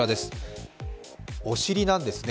お尻なんですね。